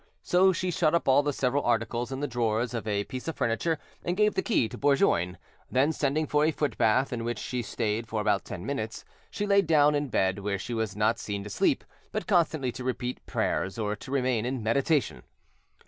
So she shut up all the several articles in the drawers of a piece of furniture and gave the key to Bourgoin; then sending for a foot bath, in which she stayed for about ten minutes, she lay down in bed, where she was not seen to sleep, but constantly to repeat prayers or to remain in meditation.